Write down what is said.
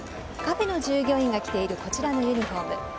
カフェの従業員が着ているこちらのユニホーム。